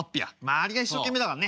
周りが一生懸命だからね。